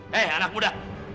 hei anak muda